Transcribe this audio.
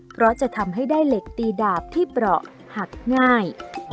เพราะจะทำให้ได้เหล็กตีดาบที่เปราะหักง่าย